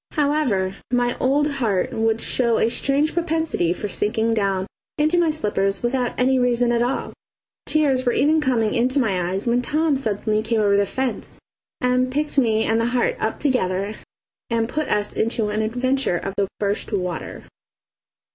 However, my old heart would show a strange propensity for sinking down into my slippers without any reason at all. Tears were even coming into my eyes when Tom suddenly came over the fence and picked me and the heart up together and put us into an adventure of the first water.